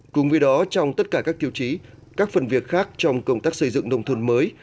cùng với đó trong tất cả các tiêu chí các phần việc khác trong công tác xây dựng nông thôn mới